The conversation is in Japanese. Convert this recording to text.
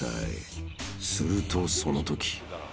［するとそのとき］